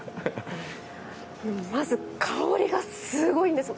まず香りがすごいんです！